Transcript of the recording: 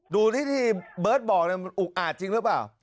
ดูที่เบิร์ตบอกมันอุกอาจจริงหรือเปล่า